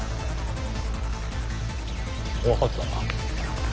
分かった。